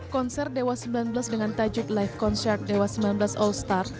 konser dewa sembilan belas dengan tajuk live conshard dewa sembilan belas all star